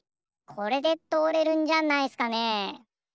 これでとおれるんじゃないっすかね。